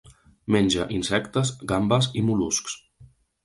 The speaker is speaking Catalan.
Menja insectes, gambes i mol·luscs.